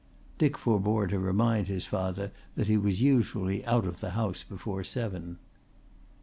Dick forbore to remind his father that he was usually out of the house before seven.